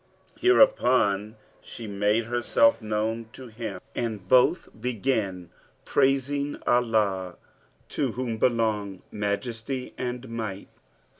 Hereupon, she made herself known to him and both began praising Allah (to whom belong Majesty and Might!)